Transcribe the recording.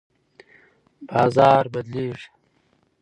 بازار بدلیږي.